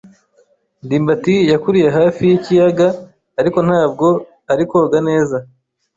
ndimbati yakuriye hafi yikiyaga, ariko ntabwo ari koga neza.